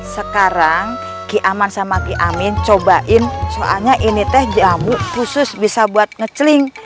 sekarang ki aman sama ki amin cobain soalnya ini teh jambu khusus bisa buat ngeceling